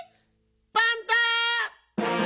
パンタ！